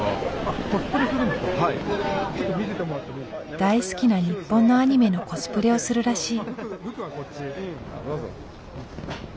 大好きな日本のアニメのコスプレをするらしい。